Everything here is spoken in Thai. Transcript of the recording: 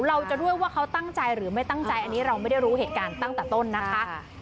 เราจะด้วยว่าเขาตั้งใจหรือไม่ตั้งใจอันนี้เราไม่ได้รู้เหตุการณ์ตั้งแต่ต้นนะคะ